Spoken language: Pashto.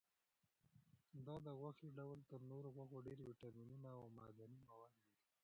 دا د غوښې ډول تر نورو غوښو ډېر ویټامینونه او معدني مواد لري.